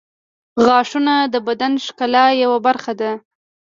• غاښونه د بدن د ښکلا یوه برخه ده.